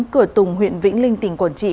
cửa tùng huyện vĩnh linh tỉnh quảng trị